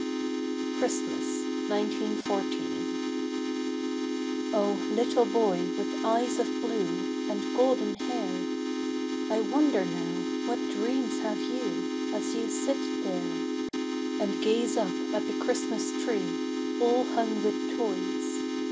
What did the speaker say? Christmas, 1914 O H, little boy with eyes of blue And golden hair, I wonder now, what dreams have you As you sit there And gaze up at the Christmas tree All hung with toys.